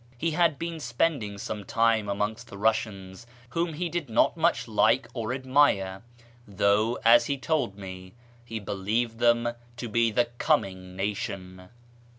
He had been spending some time amongst the Eussians, whom he did not much like or admire, though, as he told me, he believed them to be the coming nation.